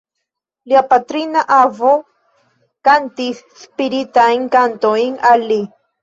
Lia patrina avo kantis spiritajn kantojn al li.